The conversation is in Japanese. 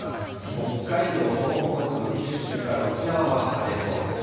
北海道、東北北部、九州から沖縄は晴れそうです。